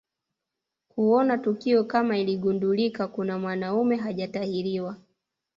Kuona tukio kama iligundulika kuna mwanamume hajatahiriwa